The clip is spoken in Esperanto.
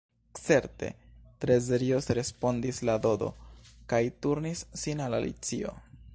"Certe," tre serioze respondis la Dodo, kaj turnis sin al Alicio.